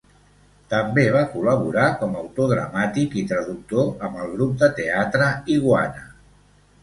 També va col·laborar com a autor dramàtic i traductor amb el grup de teatre Iguana.